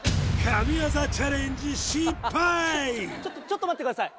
何かちょっと待ってください！